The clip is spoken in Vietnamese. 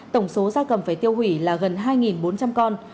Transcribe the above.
tổng số gia cầm phải tiêu hủy là gần hai bốn trăm linh con